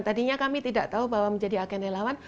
tadinya kami tidak tahu bahwa menjadi agen relawan